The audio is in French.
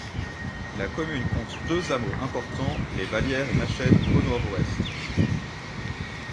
La commune compte deux hameaux importants, les Vallières et Machennes, au nord-ouest.